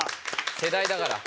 世代だから。